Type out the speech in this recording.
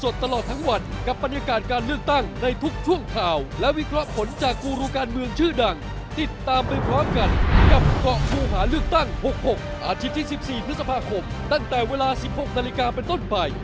ช่วงข่าวและวิเคราะห์ผลจากกุรุการณ์เมืองชื่อดังติดตามเป็นพร้อมกันกับเกาะมูหาเลือกตั้ง๖๖อาทิตย์ที่๑๔นคตั้งแต่เวลา๑๖นาฬิกาเป็นต้นไป